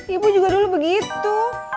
ibu juga dulu begitu